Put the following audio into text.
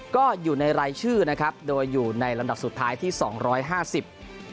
ก็อยู่ในรายชื่อนะครับโดยอยู่ในลำดับสุดท้ายที่สองร้อยห้าสิบ